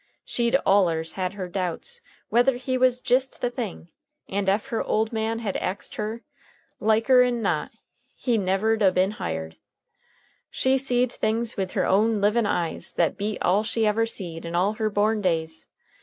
She'd allers had her doubts whether he was jist the thing, and ef her ole man had axed her, liker n not he never'd a been hired. She'd seed things with her own livin' eyes that beat all she ever seed in all her born days.